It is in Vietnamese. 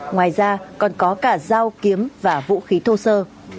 ngoài ra còn có cả dao kiếm và vũ khí thô sơ